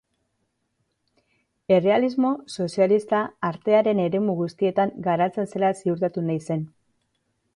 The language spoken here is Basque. Errealismo sozialista artearen eremu guztietan garatzen zela ziurtatu nahi zen.